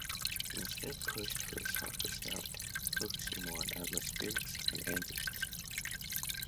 He instead pushed for a softer sound, focusing more on atmospherics and ambience.